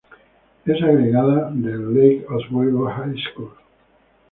Es egresada de "Lake Oswego High School".